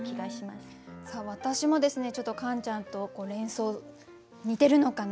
私もですねちょっとカンちゃんと連想似てるのかな。